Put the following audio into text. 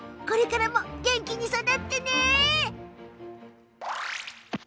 これからも元気に育ってね。